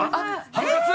ハムカツ！？